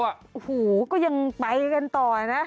อื้อหูก็ยังไปกันเปอร์เลยนะ